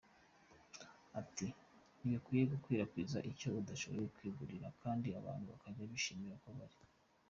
Ati “Ntibikwiye kurarikira icyo udashobora kwigurira, kandi abantu bajye bishimira uko bari.